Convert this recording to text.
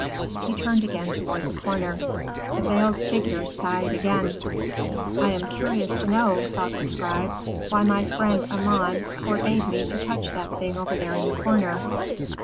"He turned again toward the corner. The veiled figure sighed again. "'I am curious to know,' thought the scribe, 'why my friend Amon forbade me to touch that thing over there in the corner.